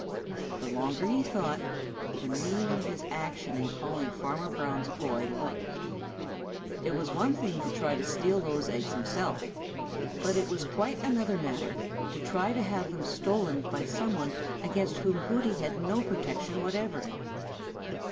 The longer he thought, the meaner his action in calling Farmer Brown's boy looked. It was one thing to try to steal those eggs himself, but it was quite another matter to try to have them stolen by some one against whom Hooty had no protection whatever.